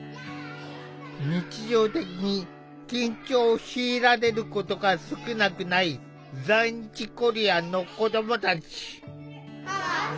日常的に緊張を強いられることが少なくない在日コリアンの子どもたち。